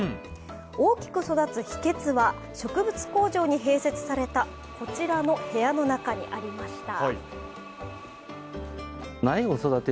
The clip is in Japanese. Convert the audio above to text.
大きく育つ秘訣は、植物工場に併設された、こちらの部屋の中にありました。